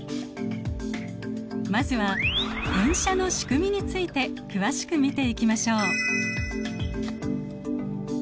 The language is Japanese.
まずは転写の仕組みについて詳しく見ていきましょう。